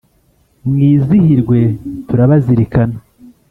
Mwizihirwe turabazirikana